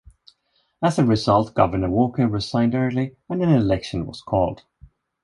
As a result Governor Walker resigned early and an election was called.